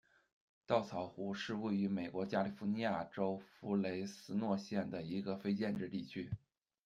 稻草湖是位于美国加利福尼亚州弗雷斯诺县的一个非建制地区。